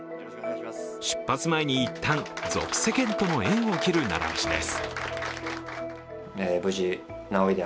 出発前に一旦、俗世間との縁を切る習わしです。